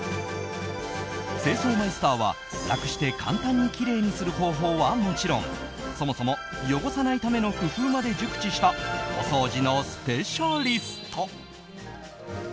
清掃マイスターは楽して簡単にきれいにする方法はもちろんそもそも汚さないための工夫まで熟知したお掃除のスペシャリスト。